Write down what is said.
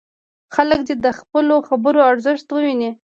خلک دې د خپلو خبرو ارزښت وویني.